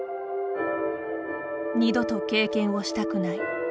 二度と経験をしたくない。